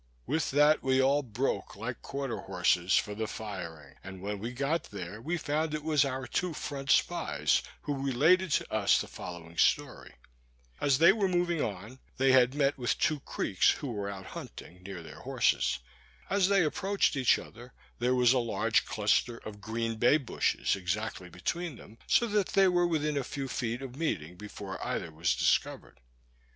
With that we all broke, like quarter horses, for the firing; and when we got there we found it was our two front spies, who related to us the following story: As they were moving on, they had met with two Creeks who were out hunting their horses; as they approached each other, there was a large cluster of green bay bushes exactly between them, so that they were within a few feet of meeting before either was discovered.